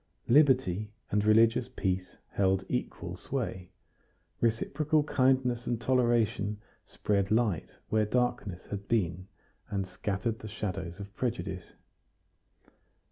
Liberty and religious peace held equal sway. Reciprocal kindliness and toleration spread light where darkness had been, and scattered the shadows of prejudice.